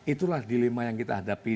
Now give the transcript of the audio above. itulah dilema yang kita hadapi